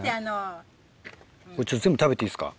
これ全部食べていいっすか？